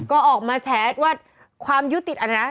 ก็ออกมาแฉว่าความยุติอนานะ